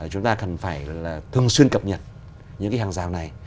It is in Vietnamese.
chúng ta cần phải thường xuyên cập nhật những hàng rào này